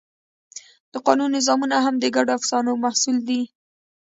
د قانون نظامونه هم د ګډو افسانو محصول دي.